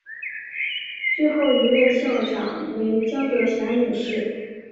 最后一任校长为江德霞女士。